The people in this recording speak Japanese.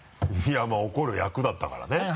いやまぁ怒る役だったからね。